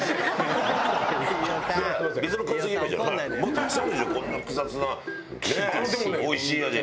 たくさんあるでしょこんな複雑なねえおいしい味。